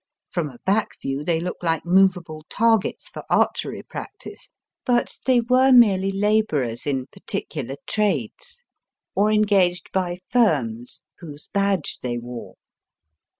From a back view they look like movable targets for archery practice; but they were merely labourers in particular trades, or en gaged by firms, whose badge they wore.